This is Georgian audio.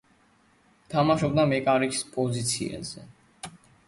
თამაშობდა მეკარის პოზიციაზე.